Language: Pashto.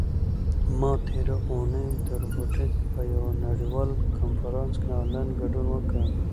ما تېره اونۍ د روبوټیک په یوه نړیوال کنفرانس کې آنلاین ګډون وکړ.